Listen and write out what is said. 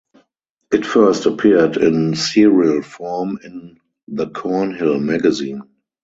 It first appeared in serial form in "The Cornhill Magazine".